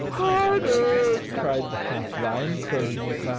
"Harder!" cried the half lion, closing its eyes.